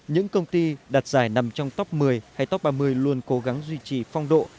những công ty đặt giải nằm trong top một mươi hay top ba mươi luôn cố gắng duy trì phong độ